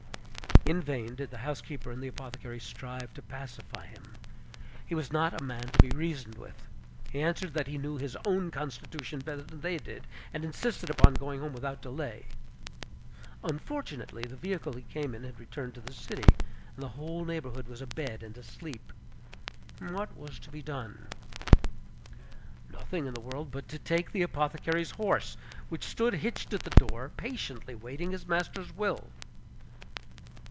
In vain did the housekeeper and the apothecary strive to pacify him; he was not a man to be reasoned with; he answered that he knew his own constitution better than they did, and insisted upon going home without delay. Unfortunately, the vehicle he came in had returned to the city, and the whole neighborhood was abed and asleep. What was to be done? Nothing in the world but to take the apothecary's horse, which stood hitched at the door, patiently waiting his master's will.